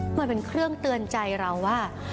มันเป็นเครื่องเตือนใจเราว่า